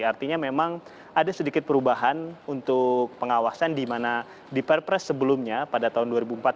artinya memang ada sedikit perubahan untuk pengawasan di mana di perpres sebelumnya pada tahun dua ribu empat belas